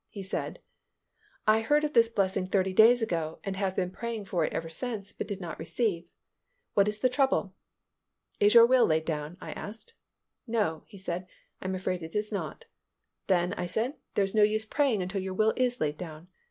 He said, "I heard of this blessing thirty days ago and have been praying for it ever since but do not receive. What is the trouble?" "Is your will laid down?" I asked. "No," he said, "I am afraid it is not." "Then," I said, "there is no use praying until your will is laid down.